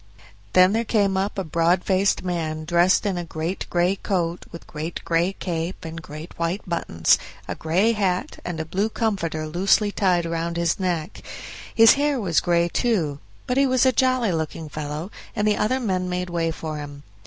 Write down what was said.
Then there came up a broad faced man, dressed in a great gray coat with great gray cape and great white buttons, a gray hat, and a blue comforter loosely tied round his neck; his hair was gray, too; but he was a jolly looking fellow, and the other men made way for him.